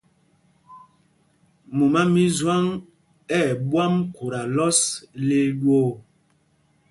Mumá mí Zwâŋ ɛ̂ ɓwâm khuta lɔs lil ɗwoo.